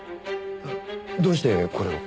どうしてこれを？